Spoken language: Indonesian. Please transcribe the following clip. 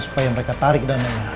supaya mereka tarik dan denger